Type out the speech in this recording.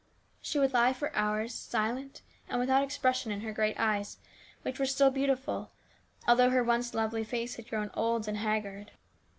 She would lie for hours silent and without expression in her great eyes, which were still beautiful, although her once lovely face had grown old and haggard.